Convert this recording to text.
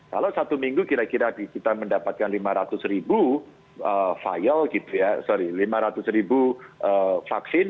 kalau satu minggu kira kira kita mendapatkan lima ratus ribu vaksin